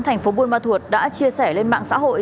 thành phố buôn ma thuột đã chia sẻ lên mạng xã hội